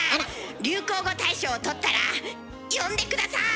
流行語大賞をとったら呼んで下さい！